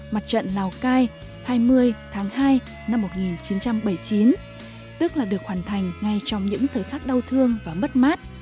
mặt trận lào cai hai mươi tháng hai năm một nghìn chín trăm bảy mươi chín tức là được hoàn thành ngay trong những thời khắc đau thương và mất mát